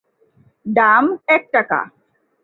দাম এক টাকা।